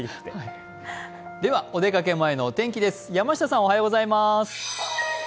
お出かけ前のお天気です。